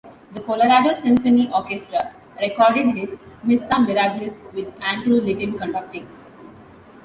The Colorado Symphony Orchestra recorded his "Missa Mirablis" with Andrew Litton conducting.